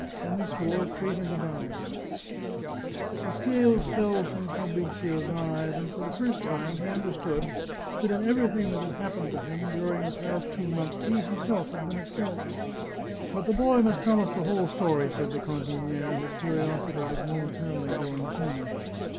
In this war traitors abound." 62 The Chartreuse of Parma The scales fell from Fabrizio's eyes, and for the first time he understood that in everything that had happened to him during the past two months he himself had been at fault. " But the boy must tell us the whole story," said the can tiniere, whose curiosity was momentarily growing keener.